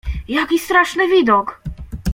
"Jaki straszny widok!"